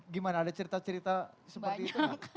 gimana ada cerita cerita seperti itu